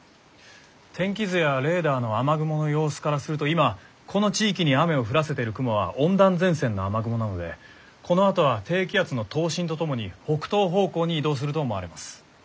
天気図やレーダーの雨雲の様子からすると今この地域に雨を降らせている雲は温暖前線の雨雲なのでこのあとは低気圧の東進とともに北東方向に移動すると思われます。